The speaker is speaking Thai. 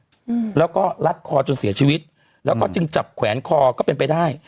อืมแล้วก็รัดคอจนเสียชีวิตแล้วก็จึงจับแขวนคอก็เป็นไปได้